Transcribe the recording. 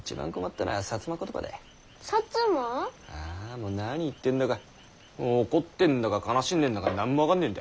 もう何言ってんだか怒ってんだか悲しんでんだか何も分かんねぇんだ。